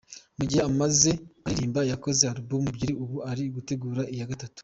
Mu gihe amaze aririmba, yakoze album ebyiri, ubu ari gutegura iya gatatu.